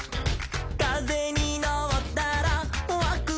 「かぜにのったらワクワキュン」